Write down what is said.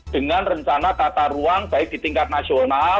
dengan rencana tata ruang baik di tingkat nasional